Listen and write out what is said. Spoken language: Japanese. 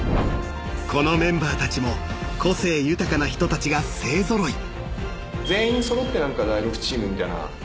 ［このメンバーたちも個性豊かな人たちが勢揃い］